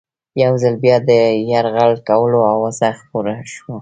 یو ځل بیا د یرغل کولو آوازه خپره شوه.